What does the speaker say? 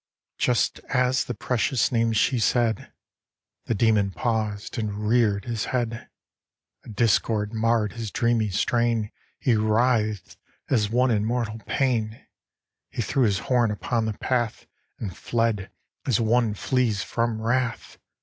VI. Just as the precious name she said, The demon paused, and reared his head ; A discord marred his dreamy strain ; He writhed as one in mortal pain ; He threw his horn upon the path, And fled as one who flees from wrath.